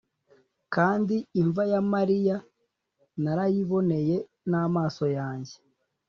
kandi imva ya Mariya narayiboneye n’ amaso yanjye